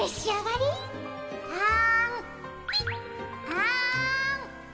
あん。